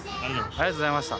ありがとうございます。